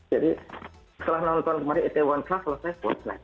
jadi setelah nonton kemarin itaewon club selesai world's night